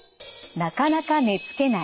なかなか寝つけない。